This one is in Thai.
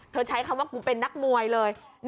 ใช้คำว่ากูเป็นนักมวยเลย